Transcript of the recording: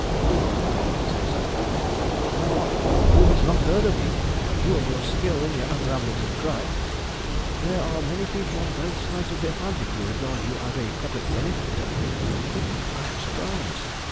"You are good enough to say so." "Why not? Who has not heard of you, and your skill in the unravelling of crime? There are many people on both sides of the Atlantic who regard you as a public benefactor. But I am surprised.